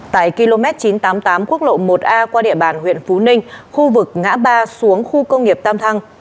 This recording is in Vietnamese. tại km chín trăm tám mươi tám quốc lộ một a qua địa bàn huyện phú ninh khu vực ngã ba xuống khu công nghiệp tam thăng